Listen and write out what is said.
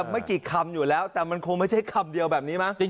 ไม่กี่คำอยู่แล้วแต่มันคงไม่ใช่คำเดียวแบบนี้มั้ง